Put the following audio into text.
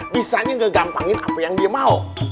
bisa aja ngegampangin apa yang dia mau